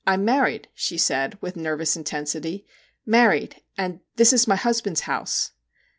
' 1 'm married,' she said, with nervous in tensity 'married, and this is my husband's house